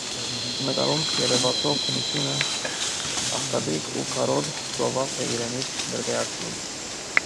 Նկարում երևացող բնությունը աղքատիկ ու քարոտ ծովափ է իրենից ներկայացնում։